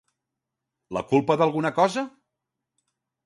La culpa d'alguna cosa?